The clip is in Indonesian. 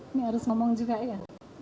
ini harus ngomong juga ya